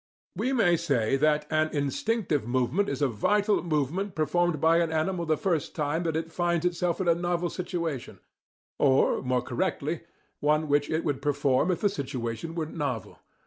We may say that an "instinctive" movement is a vital movement performed by an animal the first time that it finds itself in a novel situation; or, more correctly, one which it would perform if the situation were novel.